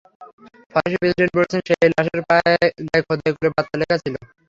ফরাসি প্রেসিডেন্ট বলেছেন, সেই লাশের গায়ে খোদাই করে বার্তা লেখা ছিল।